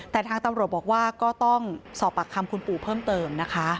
แต่ทางตำรวจบอกว่าก็ต้องสอบปากคำคุณปู่เพิ่มเติมนะคะ